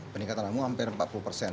peningkatan kamu hampir empat puluh persen